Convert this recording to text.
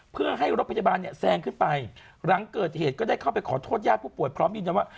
เพื่อให้รถพยาบาลเนี่ยแซงขึ้นไปหลังเกิดเหตุก็ได้เข้าไปขอโทษญาติผู้ป่วยพร้อมยืนยันว่า